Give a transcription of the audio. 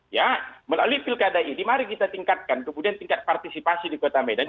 ya melalui pilkada ini mari kita tingkatkan kemudian tingkat partisipasi di kota medan